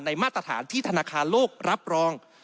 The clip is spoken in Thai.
มาตรฐานที่ธนาคารโลกรับรอง